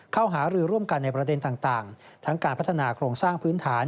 หารือร่วมกันในประเด็นต่างทั้งการพัฒนาโครงสร้างพื้นฐาน